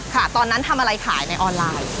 ตอนนั้นทำอะไรขายในออนไลน์